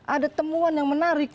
ada temuan yang menarik